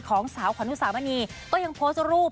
ของสาวขวัญอุสามณีก็ยังโพสต์รูป